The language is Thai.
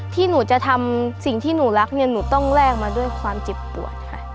ที่หนูจะทำสิ่งที่หนูรักเนี่ยหนูต้องแลกมาด้วยความเจ็บปวดค่ะ